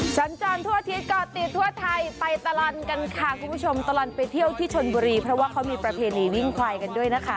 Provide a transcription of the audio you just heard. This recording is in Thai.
สัญจรทั่วอาทิตยก่อติดทั่วไทยไปตลอดกันค่ะคุณผู้ชมตลอดไปเที่ยวที่ชนบุรีเพราะว่าเขามีประเพณีวิ่งควายกันด้วยนะคะ